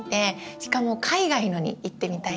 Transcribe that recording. しかも海外のに行ってみたいです。